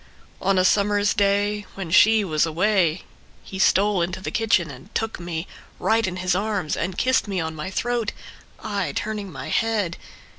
On a summer's day when she was away He stole into the kitchen and took me Right in his arms and kissed me on my throat, I turning my head.